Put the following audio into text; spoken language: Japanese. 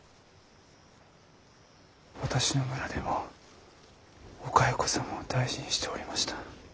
私の村でもお蚕様を大事にしておりました。